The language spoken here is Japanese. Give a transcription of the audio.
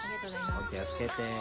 お気を付けて。